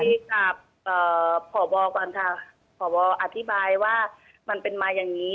ทีนี้ครับพ่อบออธิบายว่ามันเป็นมาอย่างนี้